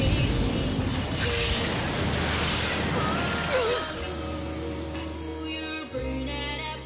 うっ！